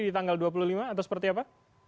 di tanggal dua puluh lima atau seperti apa